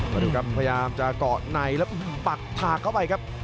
มาดูครับพยายามจะเกาะในแล้วปักถากเข้าไปครับ